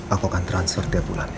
aku akan transfer tiap bulannya